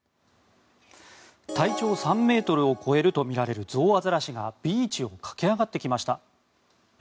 体長３ｍを超えるとみられるゾウアザラシがビーチを駆け上がってきました。